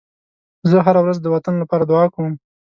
زه هره ورځ د وطن لپاره دعا کوم.